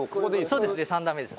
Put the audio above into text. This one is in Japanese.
そうですね３段目ですね。